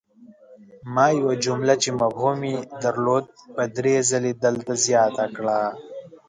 ما یوه جمله چې مفهوم ېې درلود په دري ځلې دلته زیاته کړه!